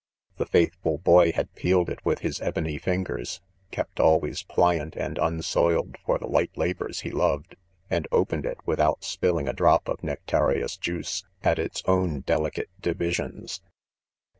The faith ful boy had peeled, it with his ebony fingers, ' |l||i f always" pliant :nnd : unsoiled for ; the ..■ light .•' labors he loved,) and opened it, without spill ifig% .drop of nectarious juice, at its own deli * i eate "divisions.